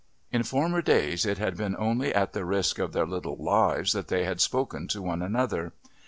In former days it had been only at the risk of their little lives that they had spoken to one another.